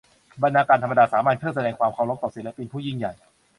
บรรณาการธรรมดาสามัญเพื่อแสดงความเคารพต่อศิลปินผู้ยิ่งใหญ่